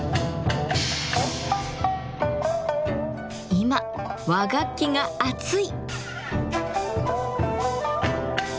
今和楽器が熱い！